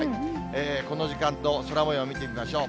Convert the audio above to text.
この時間の空もようを見てみましょう。